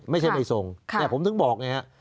ไม่ใช่ไม่ส่งแต่ผมถึงบอกเนี่ย